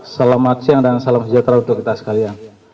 selamat siang dan salam sejahtera untuk kita sekalian